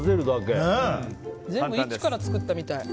全部一から作ったみたい。